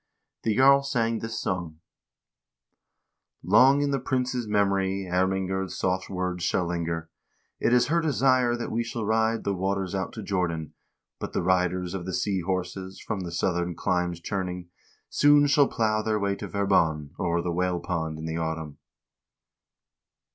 The jarl sang this song : Long in the prince's memory Ermingerd's soft words shall linger ; It is her desire that we shall Ride the waters out to Jordan ; But the riders of the sea horses, From the southern climes returning, Soon shall plow their way to Verbon O'er the whale pond in the autumn.